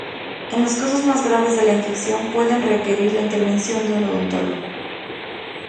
Los casos más graves de la infección pueden requerir la intervención de un odontólogo.